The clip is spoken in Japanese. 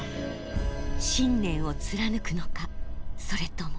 信念を貫くのかそれとも。